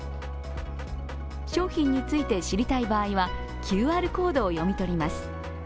商品について知りたい場合はＱＲコードを読み取ります。